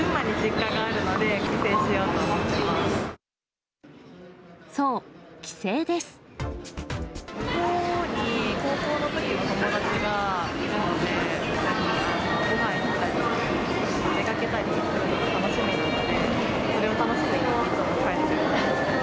向こうに高校のときの友達がいるので、一緒にごはん行ったり出かけたりするのが、楽しみなので、それを楽しみにいつも帰っています。